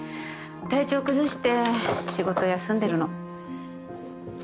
体調崩して仕事休んでるの。